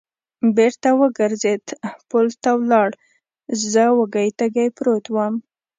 بېرته و ګرځېد، پل ته ولاړ، زه وږی تږی پروت ووم.